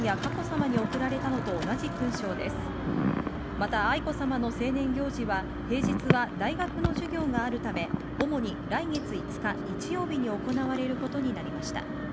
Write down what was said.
また、愛子さまの青年行事は平日は大学の授業があるため、主に来月５日日曜日に行われることになりました。